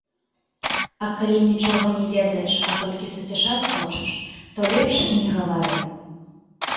А калі нічога не ведаеш, а толькі суцяшаць хочаш, то лепш і не гавары.